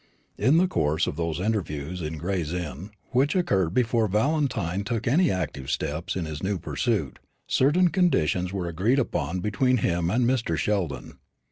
In the course of those interviews in Gray's Inn which occurred before Valentine took any active steps in his new pursuit, certain conditions were agreed upon between him and Mr. Sheldon.